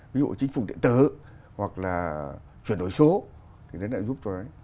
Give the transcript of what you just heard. ví dụ chính phủ điện tử hoặc là chuyển đổi số thì đấy là giúp cho đấy